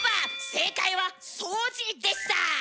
正解は「掃除」でした！